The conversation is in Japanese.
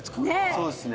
「そうですね。